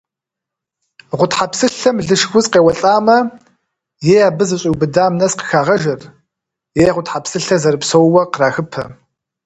Гъутхьэпсылъэм лышх уз къеуэлӏамэ, е абы зэщӏиубыдам нэс къыхагъэжыр, е гъутхьэпсылъэр зэрыпсоууэ кърахыпэ.